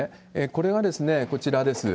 それがこちらです。